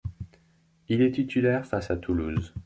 Il est titulaire face à Toulouse.